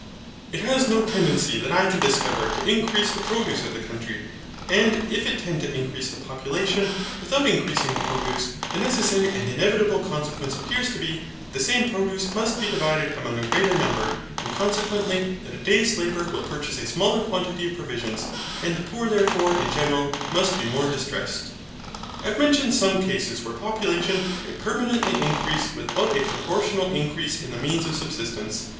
It has no tendency that I can discover to increase the produce of the country, and if it tend to increase the population, without increasing the produce, the necessary and inevitable consequence appears to be that the same produce must be divided among a greater number, and consequently that a day's labour will purchase a smaller quantity of provisions, and the poor therefore in general must be more distressed. I have mentioned some cases where population may permanently increase without a proportional increase in the means of subsistence.